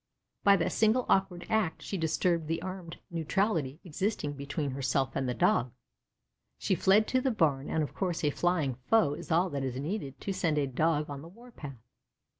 By that single awkward act she disturbed the armed neutrality existing between herself and the Dog. She fled to the barn, and of course a flying foe is all that is needed to send a Dog on the war path.